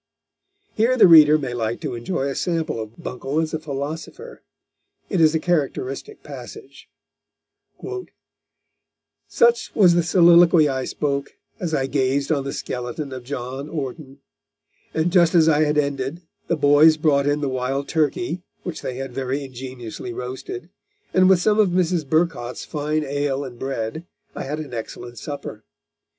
Here the reader may like to enjoy a sample of Buncle as a philosopher. It is a characteristic passage: "Such was the soliloquy I spoke, as I gazed on the skeleton of John Orton; and just as I had ended, the boys brought in the wild turkey, which they had very ingeniously roasted, and with some of Mrs. Burcot's fine ale and bread, I had an excellent supper.